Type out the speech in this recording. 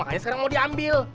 makanya sekarang mau diambil